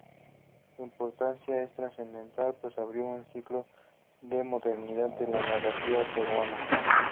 Su importancia es trascendental pues abrió un ciclo de modernidad en la narrativa peruana.